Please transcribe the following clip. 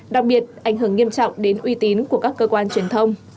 đặc biệt ảnh hưởng nghiêm trọng đến uy tín của các cơ quan truyền thông